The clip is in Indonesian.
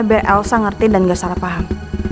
biar elsa ngerti dan gak salah paham